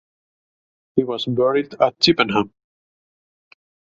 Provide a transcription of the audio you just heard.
He was buried at Chippenham.